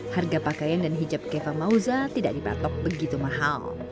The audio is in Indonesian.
harga pakaian dan hijab keva mauza tidak dipatok begitu mahal